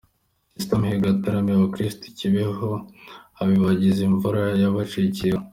Kizito Mihigo yataramiye abakristo i Kibeho abibagiza imvura yabacikiyeho.